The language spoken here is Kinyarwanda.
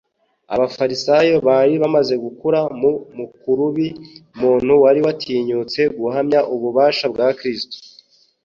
Abafarisayo bari bamaze gukura mu mukurubi umuntu wari watinyutse guhamya ububasha bwa Kristo.